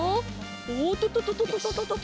おっとととととととと。